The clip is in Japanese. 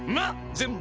全部。